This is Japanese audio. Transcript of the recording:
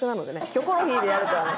『キョコロヒー』でやるとダメ。